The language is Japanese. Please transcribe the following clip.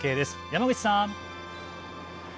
山口さん。